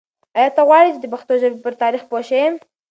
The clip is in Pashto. آیا ته غواړې چې د پښتو ژبې په تاریخ پوه شې؟